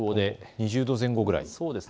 ２０度前後ぐらいです。